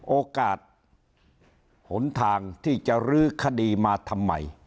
โอกาสหนทางที่จะรื้อคดีมาทำไม